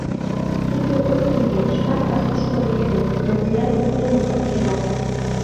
Тиде ок сите — шкат пасушко лектыт, надзиратель семын эскерат.